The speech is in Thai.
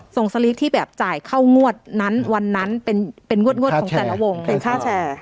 สลิปที่แบบจ่ายเข้างวดนั้นวันนั้นเป็นงวดของแต่ละวงเป็นค่าแชร์